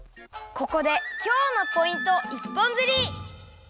ここで「今日のポイント一本釣り！」。